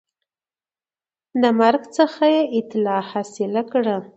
د مرګ څخه یې اطلاع حاصل کړه